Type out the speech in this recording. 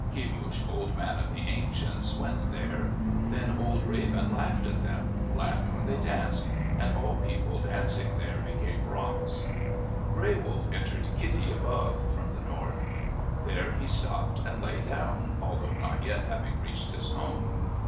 Kemush, Old Man of the Ancients, went there. Then Old Raven laughed at them, laughed when they danced, and all people dancing there became rocks. Gray Wolf entered Kitti above, from the north. There he stopped and lay down, although not yet having reached his home.